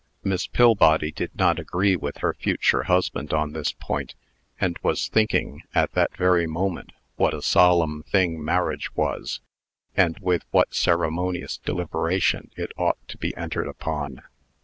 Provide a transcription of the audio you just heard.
Miss Pillbody did not agree with her future husband on this point, and was thinking, at that very moment, what a solemn thing marriage was, and with what ceremonious deliberation it ought to be entered upon.